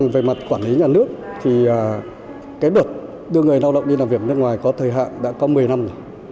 về mặt quản lý nhà nước thì cái việc đưa người lao động đi làm việc nước ngoài có thời hạn đã có một mươi năm rồi